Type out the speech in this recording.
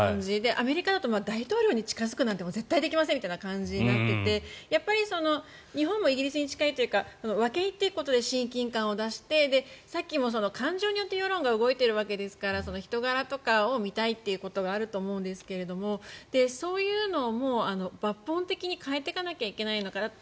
アメリカだと大統領に近付くことなんて絶対できませんみたいな感じになっていて日本もイギリスに近いというか分け入っていくことで親近感を出してさっきも、感情によって世論が動いているわけですから人柄とかを見たいということがあると思うんですがそういうのを抜本的に変えていかないといけないのかなと。